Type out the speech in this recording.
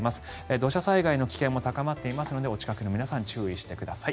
土砂災害の危険も高まっているのでお近くの皆さん注意してください。